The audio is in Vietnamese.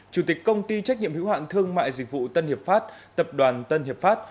chủ tịch công ty trách nhiệm hữu hạn thương mại dịch vụ tân hiệp pháp tập đoàn tân hiệp pháp